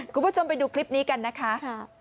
คุณผู้ชมไปดูคลิปนี้กันนะคะ